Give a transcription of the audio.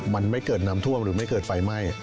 มันไม่เกิดน้ำท่วมหรือไม่เกิดไฟไหม้